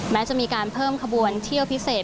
แม้จะมีการเพิ่มขบวนเที่ยวพิเศษ